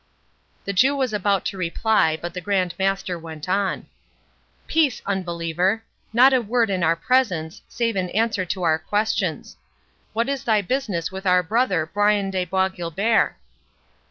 The Jew was about to reply, but the Grand Master went on. "Peace, unbeliever!—not a word in our presence, save in answer to our questions.—What is thy business with our brother Brian de Bois Guilbert?"